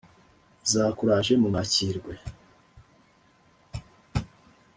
zakuraje mu makirwe,